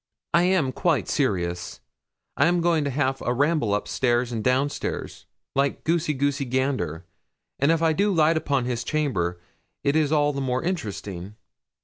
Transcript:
'I am quite serious. I am going to have a ramble up stairs and down stairs, like goosey goosey gander; and if I do light upon his chamber, it is all the more interesting.